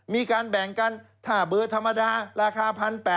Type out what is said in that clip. มีการแบ่งกันถ้าเบอร์ธรรมดาราคา๑๘๐๐